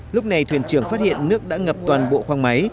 lúc này thuyền trưởng phát hiện nước đã ngập toàn bộ khoang máy